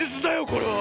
これは！